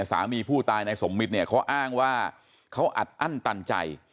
สามีผู้ตายนายสมมิตรเนี่ยเขาอ้างว่าเขาอัดอั้นตันใจ